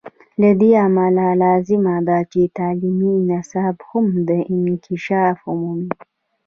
له دې امله لازمه ده چې تعلیمي نصاب هم انکشاف ومومي.